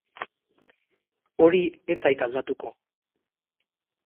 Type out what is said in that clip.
Hori ez zait aldatuko.